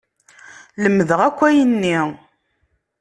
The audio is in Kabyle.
Lemdeɣ akk ayenni.